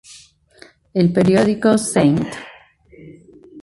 El periódico "St.